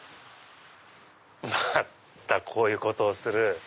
またこういうことをする！